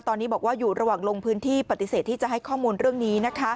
ตอนนี้บอกว่าอยู่ระหว่างลงพื้นที่ปฏิเสธที่จะให้ข้อมูลเรื่องนี้